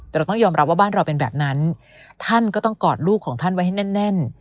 แต่เราต้องยอมรับว่าบ้านเราเป็นแบบนั้นท่านก็ต้องกอดลูกของท่านไว้ให้แน่น